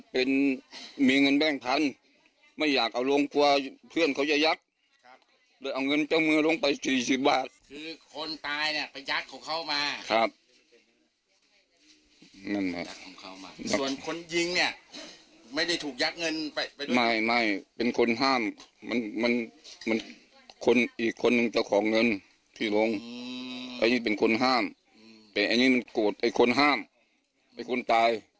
เป็นคนห้ามอีกคนนึงเจ้าของเงินที่โรงอันนี้เป็นคนห้ามเป็นอันนี้มันโกรธไอ้คนห้ามไอ้คนตาย